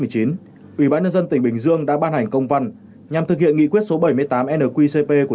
ủy ban nhân dân tỉnh bình dương đã ban hành công văn nhằm thực hiện nghị quyết số bảy mươi tám nqcp của